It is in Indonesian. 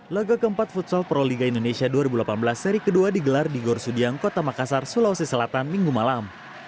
laga keempat futsal pro liga indonesia dua ribu delapan belas seri kedua digelar di gorsudiang kota makassar sulawesi selatan minggu malam